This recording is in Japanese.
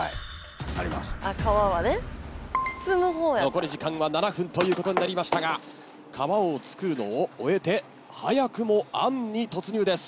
残り時間は７分ということになりましたが皮を作るのを終えて早くもあんに突入です。